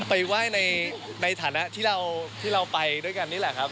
ไปไหว้ในฐานะที่เราไปด้วยกันนี่แหละครับ